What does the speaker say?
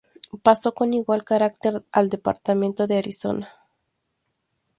Pasó con igual carácter al Departamento de Arizona.